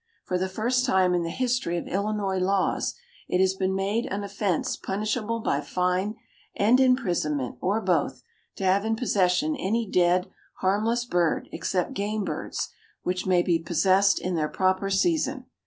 For the first time in the history of Illinois laws it has been made an offense punishable by fine and imprisonment, or both, to have in possession any dead, harmless bird except game birds, which may be "possessed in their proper season."